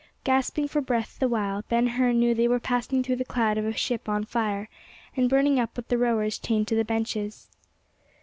Gasping for breath the while, Ben Hur knew they were passing through the cloud of a ship on fire, and burning up with the rowers chained to the benches.